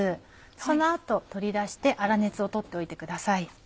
その後取り出して粗熱を取っておいてください。